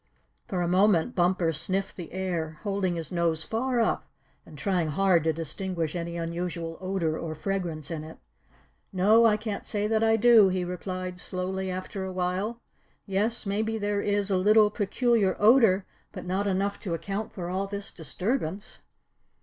For a moment Bumper sniffed the air, holding his nose far up and trying hard to distinguish any unusual odor or fragrance in it. "No, I can't say that I do," he replied slowly after a while. "Yes, maybe there is a little peculiar odor, but not enough to account for all this disturbance."